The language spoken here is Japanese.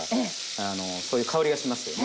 あのそういう香りがしますよね。